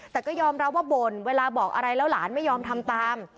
แต่ก็ยอมรับว่าบ่นเวลาบอกอะไรแล้วหลานไม่ยอมทำตาม